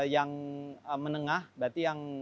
yang menengah berarti yang